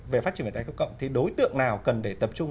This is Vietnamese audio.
về phát triển vận tải khéo cộng